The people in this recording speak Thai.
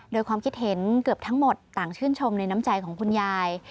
โดยความคิดเห็นเกือบทั้งหมดต่างชื่นชมในน้ำใจของคุณยาย